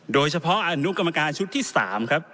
โดยเฉพาะอนุกรรมการชุดที่๓ครับ